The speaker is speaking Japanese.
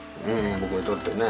僕にとってね。